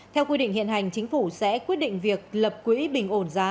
theo quy định hiện hành chính phủ sẽ quyết định việc lập quỹ bình ổn giá